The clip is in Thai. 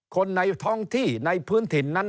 คนในท้องที่ในพื้นถิ่นนั้น